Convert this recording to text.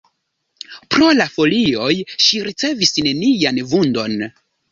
Pro la folioj ŝi ricevis nenian vundon.